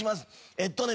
えっとね